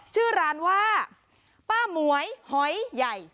ชื่อร้านว่าป้าหมวยหอยใหญ่